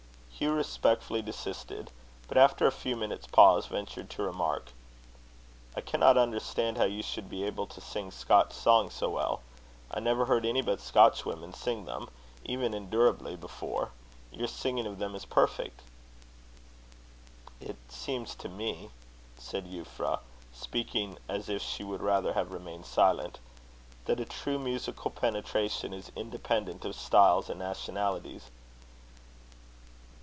Hugh respectfully desisted; but after a few minutes' pause ventured to remark: "I cannot understand how you should be able to sing Scotch songs so well. I never heard any but Scotch women sing them, even endurably, before: your singing of them is perfect." "It seems to me," said Euphra, speaking as if she would rather have remained silent, "that a true musical penetration is independent of styles and nationalities.